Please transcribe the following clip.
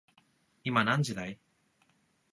今何時だい